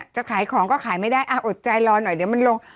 จะขายของก็ขายไม่ได้อดใจรอหน่อยเดี๋ยวมันลง